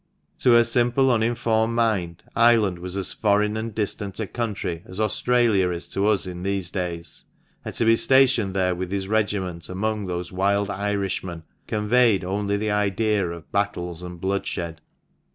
To her simple, uninformed mind, Ireland was as foreign and distant a country as Australia is to us in these days. And to be stationed there with his regiment amongst those "wild Irishmen," conveyed only the idea of battles and bloodshed.